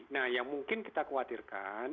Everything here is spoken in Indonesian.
nah yang mungkin kita khawatirkan